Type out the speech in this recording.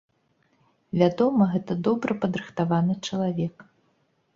Вядома, гэта добра, падрыхтаваны чалавек.